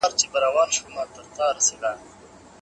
موږ به په راتلونکي کي ډېر کتابونه چاپ کړو.